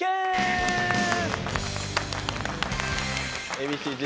Ａ．Ｂ．Ｃ−Ｚ